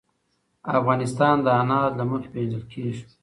افغانستان د انار له مخې پېژندل کېږي.